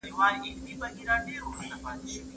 د اوبو کموالی د انسان روغتیا ته زیان رسوي.